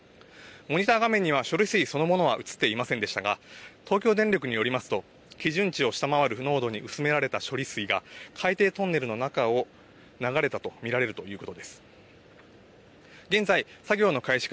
モニター画面には処理水そのものは映っていませんでしたが東京電力によりますと基準を下回る濃度に薄められた処理水が海底トンネルの中を流れたと見られるということです。